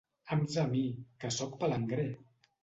Hams a mi, que soc palangrer!